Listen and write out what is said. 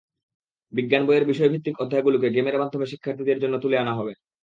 বিজ্ঞান বইয়ের বিষয়ভিত্তিক অধ্যায়গুলোকে গেমের মাধ্যমে শিক্ষার্থীদের জন্য তুলে আনা হবে।